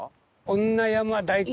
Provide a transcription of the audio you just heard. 女山大根？